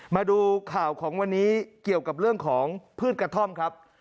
มาดูข่าวของวันนี้เกี่ยวกับเรื่องของพืชกระท่อมครับ